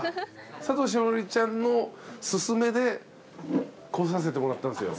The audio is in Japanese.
佐藤栞里ちゃんのすすめで来させてもらったんですよ。